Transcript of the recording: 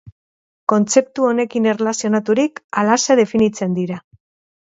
Kontzeptu honekin erlazionaturik, halaxe definitzen dira.